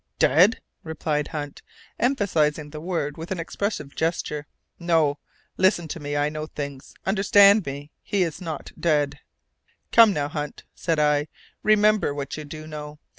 "Dead!" replied Hunt, emphasizing the word with an expressive gesture. "No! listen to me: I know things; understand me, he is not dead." "Come now, Hunt," said I, "remember what you do know.